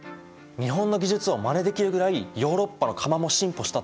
日本の技術をまねできるぐらいヨーロッパの窯も進歩したってことですか？